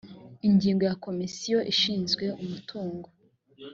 ingingo ya komisiyo ishinzwe umutungo